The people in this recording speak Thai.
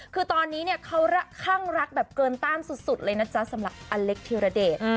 คือตอนนี้เขาข้างรักแบบเกินต้านสุดเลยนะจ๊ะสำหรับอเล็กเทียราเดช